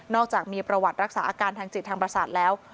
จากมีประวัติรักษาอาการทางจิตทางประสาทแล้ว